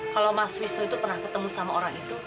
kalau mas wisnu itu pernah ketemu sama orang itu